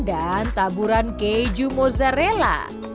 dan taburan keju mozzarella